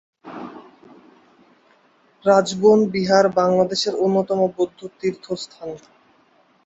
রাজবন বিহার বাংলাদেশের অন্যতম বৌদ্ধ তীর্থ স্থান।